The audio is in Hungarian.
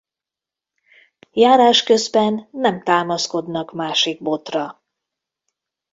Járás közben nem támaszkodnak másik botra.